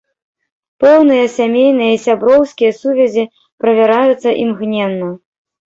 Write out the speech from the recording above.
Пэўныя сямейныя і сяброўскія сувязі правяраюцца імгненна.